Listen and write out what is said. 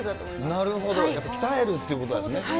なるほど、やっぱり鍛えるってことですね。